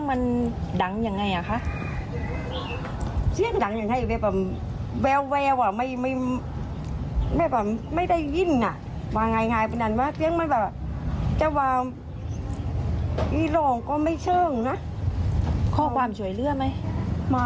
อ่ะเจ้าวางอีหลองก็ไม่เชิงนะข้อความช่วยเรื่องไหม